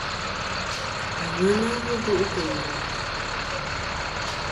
Àŋena bu duʼ tɨ̀ ndù.